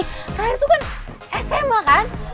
terakhir tuh kan sma kan